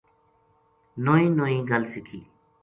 نوئی نوئی گل سکھی